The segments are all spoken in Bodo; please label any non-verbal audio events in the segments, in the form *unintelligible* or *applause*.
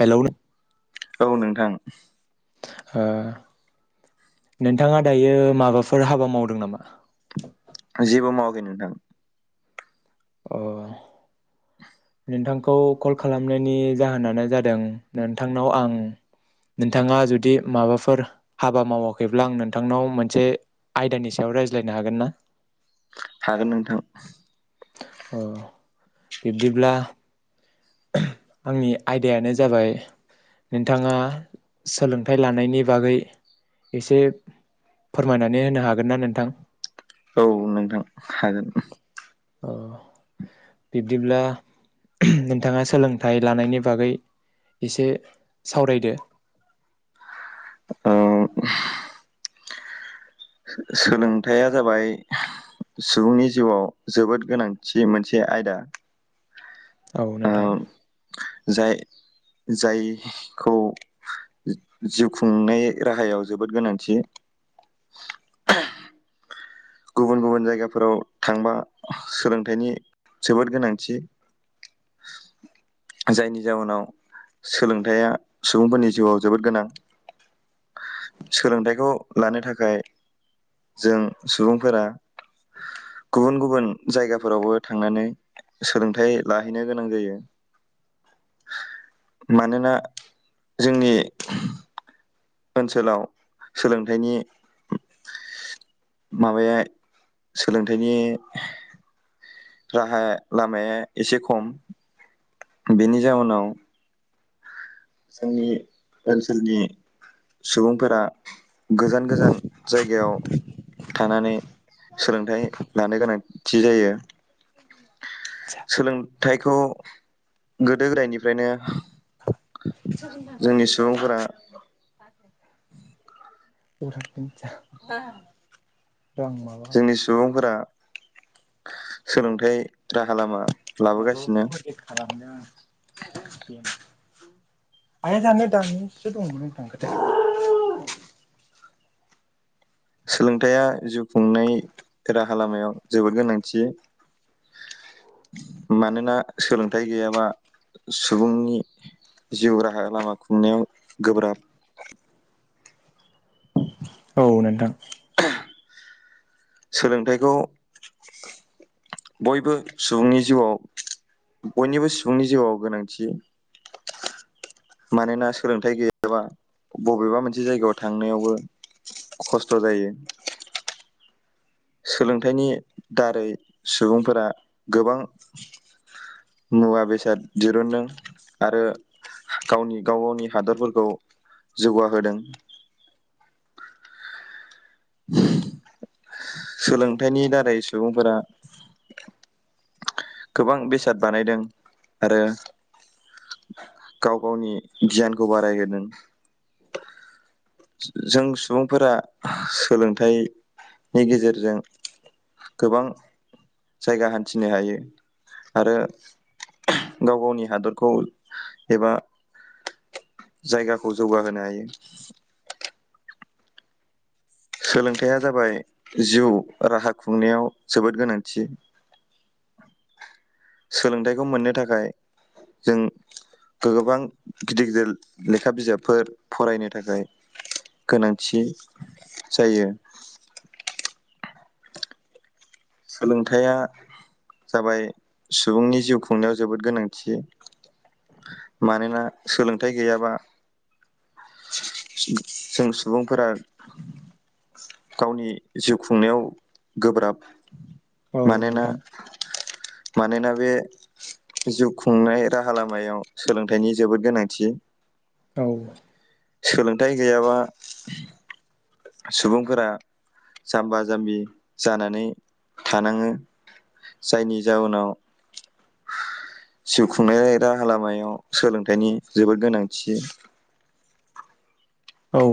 हेलौ नों औ नोंथां। ओ नोंथाङा दायो माबाफोर हाबा मावदों नामा? जेबो मावागै नोंथां। अ नोंथांखौ कल खालामनायनि जाहोनानो जादों। नोंथांनाव आं नोंथाङा जुदि माबाफोर हाबा मावाखैब्ला आं नोंथांनाव मोनसे आयदानि सायाव रायज्लायनो हागोन ना? हागोन नोंथां। अ बिब्दिब्ला आंनि आयदायानो जाबाय नोंथाङा सोलोंथाइ लानायनि बागै एसे फोरमायनानै होनो हागोन ना नोंथां? औ नोंथां हागोन। अ बिब्दिब्ला नोंथाङा सोलोंथाइ लानायनि बागै एसे सावरायदो। ओ। सोलोंथायाइया जाबाय सुबुंनि जिउआव, जोबोद गोनांथि मोनसे आयदा। औ ओ नोंथां। जाय जायखौ जिउ खुंनाय राहायाव जोबोद गोनांथि। गुबुन गुबुन जायगाफोराव थांबा, सोलोंथाइनि जोबोद गोनांथि। जायनि जाउनाव सोलोंथायाइया सुबुंफोरनि जिउआव जोबोद गोनां। सोलोंथाइखौ लानो थाखाय जों सुबुंफोरा गुबुन गुबुन जायगाफोरावबो थांनानै, सोलोंथाइ लाहैनो गोनां जायो। मानोना जोंनि ओनसोलाव सोलोंथाइनि माबाया सोलोंथाइनि राहा लामाया एसे खम। बेनि जावनाव जोंनि ओनसोलनि सुबुंफोरा, गोजान गोजान जायगायाव थानानै सोलोंथाइ लानो गोनांथि जायो। सोलों नुथाइखौ गोदो गोदायनिफ्रायनो जोंनि सुबुंफोरा *unintelligible* *inaudible* माबा जोंनि सुबुंफोरा सोलोंथाइ राहा खालामलामा लाबोगासिनो। आया जानो दानिसो दंमोन बबाव थांखोथाय सोलोंथायाइया जिउ खुंनाय राहा लामायाव जोबोद गोनांथि मानोना सोलोंथाइ गैयाबा सुबुंनि जिउ राहा लामा खुंनायाव गोब्राब औ नोंथां सोलोंथाइखौ बयबो सुबुंनि जिउआव बयनिबो सुबुंनि जिउआव गोनांथि मानोना सोलोंथाइ गैयाबा बबेबा मोनसे जायगायाव थांनायावबो खस्थ जायो सोलोंथाइनि दारै सुबुंफोरा गोबां मुवा बेसाद दिरुनदों आरो गावनि गाव गावनि हादरफोरखौ जौगाहोदों सोलोंथाइनि दारै सुबुंफोरा गोबां बेसाद बानायदों आरो गाव गावनि गियानखौ बारायहोदों जों सुबुंफोरा सोलोंथाइनि गेजेरजों गोबां जायगा हान्थिनो हायो आरो गाव गावनि हादरखौ एबा जायगाखौ जौगाहोनो हायो सोलोंथाइया जाबाय जिउ राहा खुंनायाव जोबोद गोनांथि सोलोंथाइखौ मोननो थाखाय जों गोबां गिदिर गिदिर लेखा बिजाबफोर फरायनो थाखाय गोनांथि जायो सोलोंथायाइया जाबाय सुबुंनि जिउ खुंनायाव जोबोद गोनांथि मानोना सोलोंथाइ गैयाबा जों सुबुंफोरा गावनि जिउ खुंनायाव गोब्राब औ मानोना नोंथां मानोना बे जिउ खुंनाय राहा लामायाव सोलोंथाइनि जोबोद गोनांथि औ सोलोंथाइ गैयाबा सुबुंफोरा जाम्बा जाम्बि जानानै थानाङो जायनि जााहोनाव जिउ खुंनाय राहा लामायाव सोलोंथाइनि जोबोद गोनांथि औ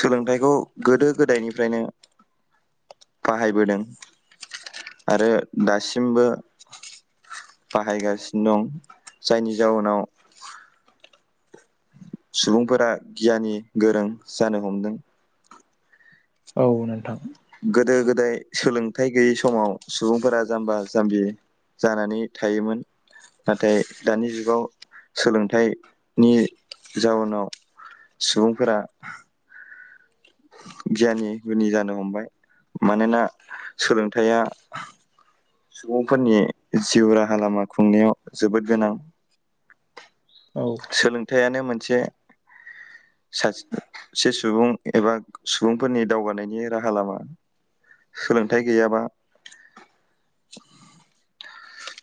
सोलोंथाइखौ गोदो गोदायनिफ्रायनो बाहायबोदों आरो दासिमबो बाहायगासिनो दं जायनि जाउनाव सुबुंफोरा गियानि गोरों जानो हमदों औ नोंथां गोदो गोद दाय सोलोंथाइ गैयि समाव सुबुंफोरा जाम्बा जाम्बि जानानै थायोमोन नाथाय दानि जुगाव सोलोंथाइनि जाउनाव सुबुंफोरा गियानि गुनि जानो हमबाय मानोना सोलोंथाइया सुबुंफोरनि जिउ राहा लामा खुंनायाव जोबोद गोनां औ थायानो मोनसे सासे सुबुं एबा सुबुंफोरनि दावगानायनि राहा लामा सोलोंथाइ गैयाबा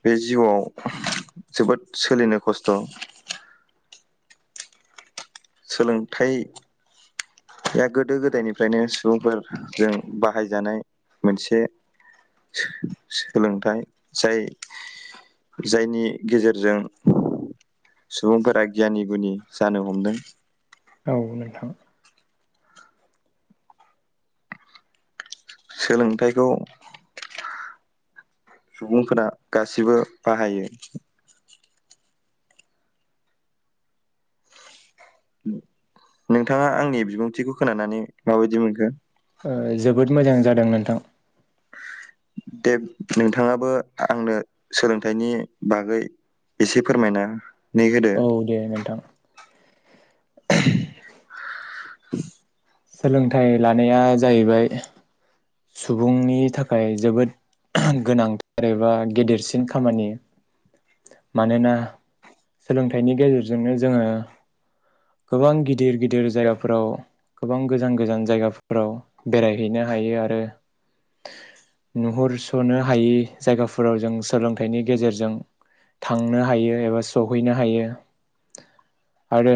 बे जिउआव जोबोद सोलिनो खस्थ सोलोंथाइया गोदो गोदायनिफ्रायनो सुबुंफोरजों बाहायजानाय मोनसे सोलोंथाइ जाय जायनि गेजेरजों सुबुंफोरा गियानि गुनि जानो हमदों औ नोंथां सोलोंथाइखौ सुबुंफोरा गासिबो बाहायो नोंथाङा आंनि बिबुंथिखौ खोनानानै माबायदि मोनखो ओ जोबोद मोजां जादों नोंथां दे नोंथाङाबो आंनो सोलोंथाइनि बागै एसे फोरमायनानै होदो औ दे नोंथां आहोम *inaudible* सोलोंथाइ लानाया जाहैबाय सुबुंनि थाखाय जोबोद गोनांथार एबा गेदेरसिन खामानि मानोना सोलोंथाइनि गेजेरजोंनो जोङो गोबां गिदिर गिदिर जायगाफोराव गोबां गोजान गोजान जायगाफोराव बेरायहैनो हायो आरो नुहुरस'नो हायि जायगाफोराव जों सोलोंथाइनि गेजेरजों थांनो हायो एबा सहैनो हायो आरो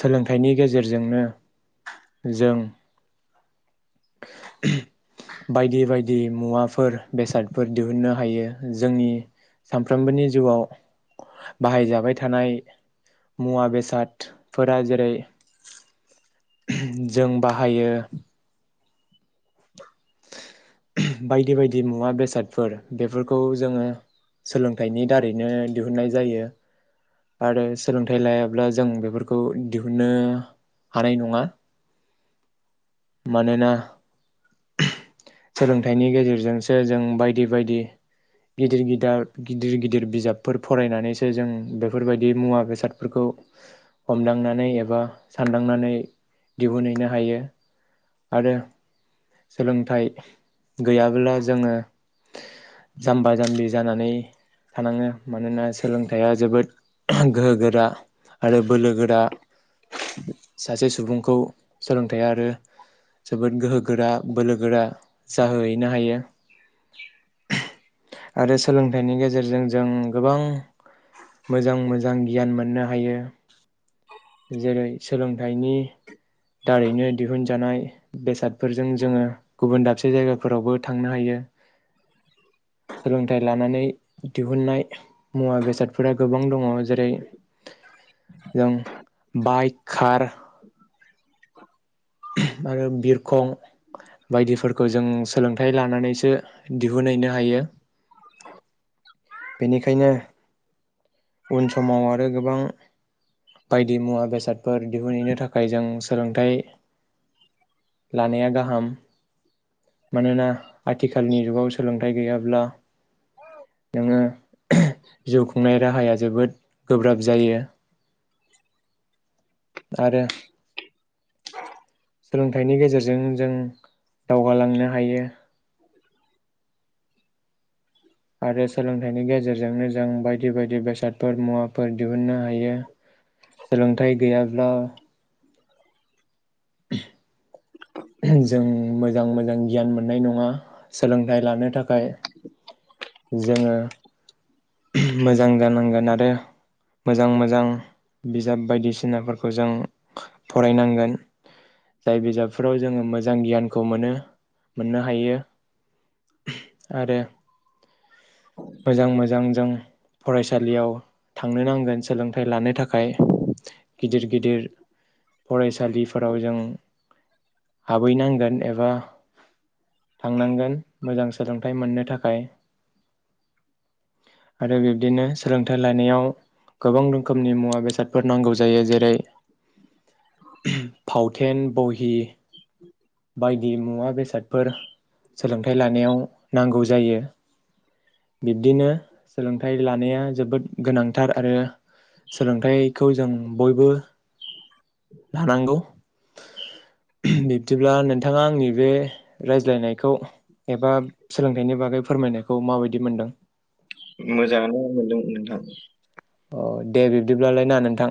सोलोंथाइनि गेजेरजोंनो जों बायदि बायदि मुवाफोर बेसादफोर दिहुननो हायो जोंनि सानफ्रोमबोनि जिउआव बाहायजाबाय थानाय मुवा बेसादफोरा जेरै जों बाहायो बायदि बायदि मुवा बेसादफोर बेफोरखौ जोङो सोलोंथाइनि दारैनो दिहुननाय जायो आरो सोलोंथाइ लायाब्ला जों बेफोरखौ दिहुननो हानाय नङा मानोना सोलोंथाइनि गेजेरजोंसो जों बायदि बायदि गिदिर गिदिर गिदिर गिदिर बिजाबफोर फरायनानैसो जों बेफोरबायदि मुवा बेसादफोरखौ हमदांनानै एबा सानदांनानै दिहुनहैनो हायो आरो सोलोंथाइ गैयाबोला जोङो जाम्बा जाम्बि जानानै थानाङो मानोना सोलोंथाइया जोबोद गोहो गोरा आरो बोलो गोरा सासे सुबुंखौ सोलोंथाइया आरो जोबोद गोहो गोरा बोलो गोरा जाहोहैनो हायो। औ। आरो सोलोंथाइनि गेजेरजों जों, गोबां मोजां मोजां गियान मोननो हायो। जेरै सोलोंथाइनि दारैनो दिहुन जानाय बेसादफोरजों ज जोङो गुबुन दाबसे जायगाफोरावबो थांनो हायो। सोलोंथाइ लानानै दिहुननाय मुवा बेसादफोरा गोबां दङ जेरै जों। बाइक खार आरो बिरखं बायदिफोरखौ जों सोलोंथाइ लानानैसो दिहुनहैनो हायो। औ। बेनिखायनो, उन समाव आरो गोबां बायदि मुवा बेसादफोर दिहुनहैनो थाखाय जों सोलोंथाइ लानाया गाहाम। मानोना आथिखालनि जुगाव सोलोंथाइ गैयाब्ला नोङो जिउ खुंनाय राहाया जोबोद गोब्राब जायो। आरो सोलोंथाइनि गेजेरजों जों दावगालांनो हायो। आरो सोलोंथाइनि गेजेरजोंनो जों बायदि बायदि बेसादफोर मुवाफोर दि दिहुननो हायो सोलोंथाइ गैयाब्ला जों मोजां मोजां गियान मोननाय नङा। सोलोंथाइ लानो थाखाय जोङो मोजां जानांगोन आरो, मोजां मोजां बिजाब बायदिसिनाफोरखौ जों फरायनांगोन। जाय बिजाबफोराव जोङो मोजां गियानखौ मोनो मोननो हायो। आरो मोजां मोजां जों फरायसालियाव थांनो नांगोन सोलोंथाइ लानो थाखाय। गिदिर गिदिर फरायसालिफोराव जों हाबहैनांगोन एबा थांनांगोन मोजां सोलोंथाइ मोननो थाखाय। आरो बिब्दिनो सोलोंथाइ लानायाव गोबां रोखोमनि मुवा बेसादफोर नांगौ जायो जेरै। फावथेन बहि बायदि मुवा बेसादफोर सोलोंथाइ लानायाव नांगौ जायो। बिब्दिनो सोलोंथाइ लानाया जोबोद गोनांथार आरो सोलोंथाइ खौ जों बयबो लानांगौ, बिब्दिब्ला नोंथाङा आंनि बे रायज्लायनायखौ एबा सोलोंथाइनि बागै फोरमायनायखौ माबायदि मोनदों? मोजाङानो मोनदों नोंथां। अ दे बिब्दिब्लालाय ना नोंथां।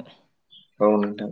औ नोंथां।